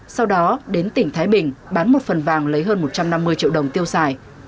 sau đó đến tỉnh thái bình bán một phần vàng lấy hơn một trăm năm mươi triệu đồng tiêu xài